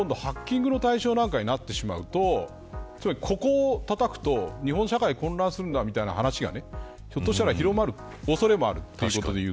そうすると今度ハッキングの対象なんかになってしまうとここをたたくと、日本社会混乱するんだみたいな話がひょっとしたら広まる恐れもある。